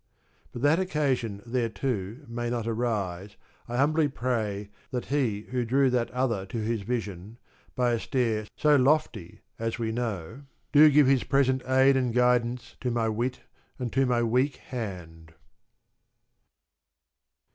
But that occasion thereto may not arise, I humbly pray that he who drew that other to his vision, by a stair so lofty as we know, do give his present aid and guidance to my wit and to my weak hand.